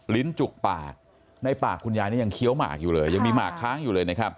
ลิ้นจุกปากในปากคุณยายนี่ยังเคี้ยวหมากอยู่เลย